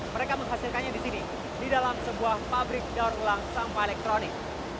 mereka menghasilkannya di sini di dalam sebuah pabrik daur ulang sampah elektronik